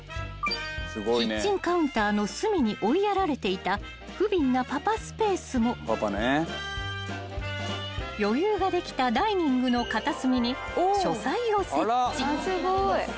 ［キッチンカウンターの隅に追いやられていたふびんなパパスペースも余裕ができたダイニングの片隅に書斎を設置］